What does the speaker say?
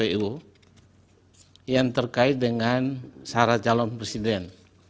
ini adalah pkpu yang terkait dengan sarah calon presiden